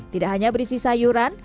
tidak hanya berisi sayuran